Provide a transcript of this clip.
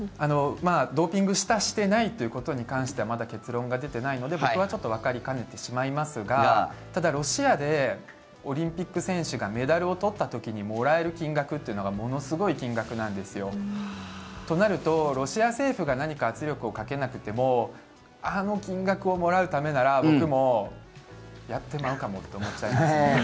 ドーピングしたしてないということに関してはまだ結論が出ていないので僕はわかりかねてしまいますがただ、ロシアでオリンピック選手がメダルを取った時にもらえる金額というのがものすごい金額なんですよ。となると、ロシア政府が何か圧力をかけなくてもあの金額をもらうためなら僕もやってまうかもって思います。